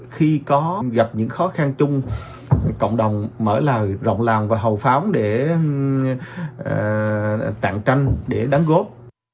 khi có gặp những khó khăn chung cộng đồng mở lời rộng làng và hầu pháo để tạm tranh để đáng góp